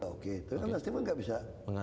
oke tapi kan nasti pun gak bisa